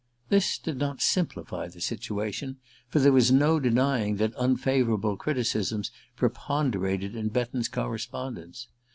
This did not simplify the situation, for there was no denying that unfavourable criticisms preponderated in Betton's correspondence.